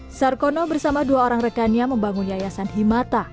sarkono bersama dua orang rekannya membangun yayasan himata